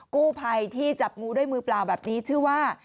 กู้ภัยที่จับงูด้วยมือเปล่าแบบนี้ชื่อว่า